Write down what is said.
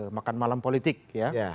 makan malam politik ya